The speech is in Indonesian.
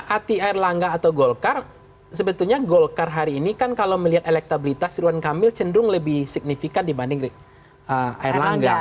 hati erlangga atau golkar sebetulnya golkar hari ini kan kalau melihat elektabilitas ridwan kamil cenderung lebih signifikan dibanding erlangga